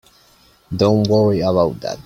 Don't worry about that.